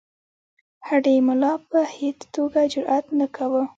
هډې ملا په هیڅ توګه جرأت نه کاوه.